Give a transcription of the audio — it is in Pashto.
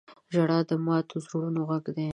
• ژړا د ماتو زړونو غږ دی.